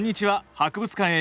博物館だ。